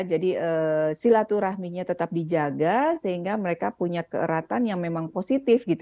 jadi silaturahminya tetap dijaga sehingga mereka punya keeratan yang memang positif